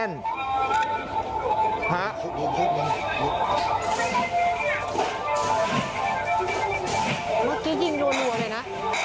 เมื่อกี้ยิงรัวเลยนะ